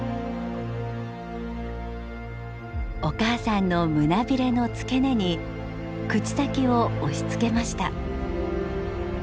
お母さんの胸びれの付け根に口先を押しつけました。